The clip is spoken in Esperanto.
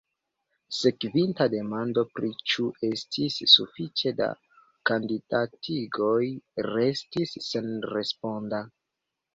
Sekvinta demando pri ĉu estis sufiĉe da kandidatigoj restis senresponda.